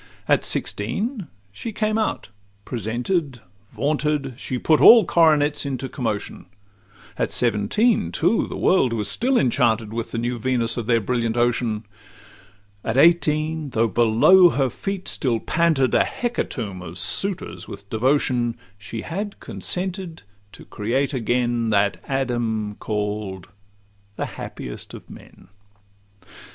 At sixteen she came out; presented, vaunted, She put all coronets into commotion: At seventeen, too, the world was still enchanted With the new Venus of their brilliant ocean: At eighteen, though below her feet still panted A hecatomb of suitors with devotion, She had consented to create again That Adam, call'd 'The happiest of men.